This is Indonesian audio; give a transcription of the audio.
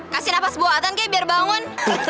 kasih nafas buatan kek biar bangun